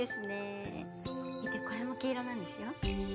見てこれも黄色なんですよ。